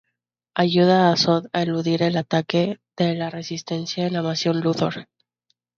Ayuda a Zod a eludir el ataque de la resistencia en la mansión Luthor.